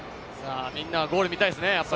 みんなゴールが見たいですね。